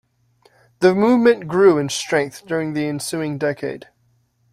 The movement grew in strength during the ensuing decade.